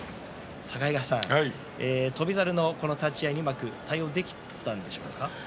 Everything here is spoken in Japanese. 境川さん、翔猿の立ち合いうまく対応できたんでしょうかね。